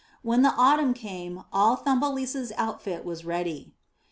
When the autumn came all Thumbelisa's outfitwas ready.